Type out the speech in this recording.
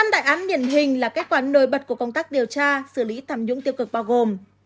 năm đại án điển hình là kết quả nổi bật của công tác điều tra xử lý thảm nhũng tiêu cực bao gồm